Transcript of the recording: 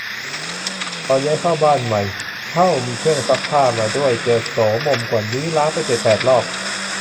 ตอนย้ายเข้าบ้านใหม่ เช่า มีเครื่องซักผ้ามาด้วย เจอโสมมกว่านี้ ล้างไปเจ็ดแปดรอบ